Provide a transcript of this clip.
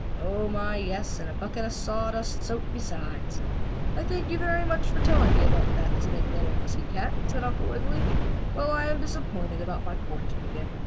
Oh, my, yes, and a bucket of sawdust soup besides. "I thank you very much for telling me about that snake, little pussy cat," said Uncle Wiggily. "Well, I am disappointed about my fortune again.